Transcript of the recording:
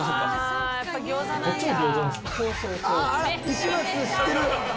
石松知ってる！